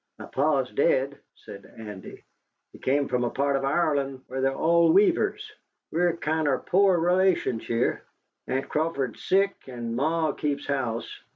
"My Pa's dead," said Andy. "He came from a part of Ireland where they are all weavers. We're kinder poor relations here. Aunt Crawford's sick, and Ma keeps house.